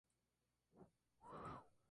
La canción nunca fue tocada en directo.